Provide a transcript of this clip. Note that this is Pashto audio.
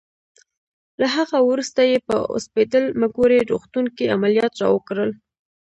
له هغه وروسته یې په اوسپیډل مګوري روغتون کې عملیات راوکړل.